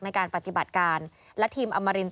ในการปฏิบัติการและทีมอมริน